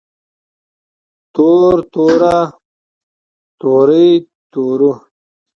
تور توره تورې تورو